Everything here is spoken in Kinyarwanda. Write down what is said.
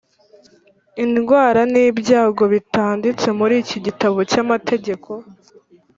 indwara n’ibyago bitanditse muri iki gitabo cy’amategeko,